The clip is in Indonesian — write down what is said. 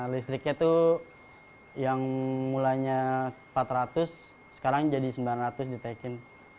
listriknya itu yang mulainya empat ratus sekarang jadi sembilan ratus di tekun